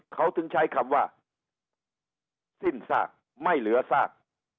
เขาถึงใช้คำว่าสิ้นซากไม่เหลือซาก